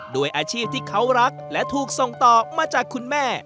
ด้วยอาชีพที่เขารักและถูกส่งต่อมาจากคุณแม่